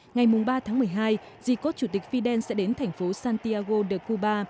ngày ba tháng một mươi hai di cốt chủ tịch fidel sẽ đến thành phố santiago de cuba